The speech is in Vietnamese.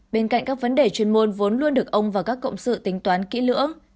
bên cạnh các vấn đề chuyên môn vốn luôn được ông và các cộng sự tính toán kỹ lưỡng